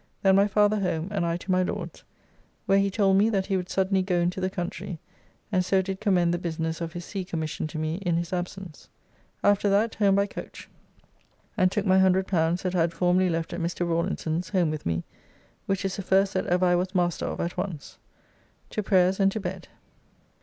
Then my father home, and I to my Lord's; where he told me that he would suddenly go into the country, and so did commend the business of his sea commission to me in his absence. After that home by coach, and took my L100 that I had formerly left at Mr. Rawlinson's, home with me, which is the first that ever I was master of at once. To prayers, and to bed.